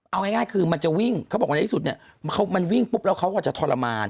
เอาง่ายคือมันจะวิ่งเขาบอกว่าในที่สุดเนี่ยมันวิ่งปุ๊บแล้วเขาก็จะทรมาน